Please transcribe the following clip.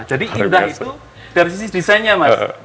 jadi indah itu dari sisi desainnya mas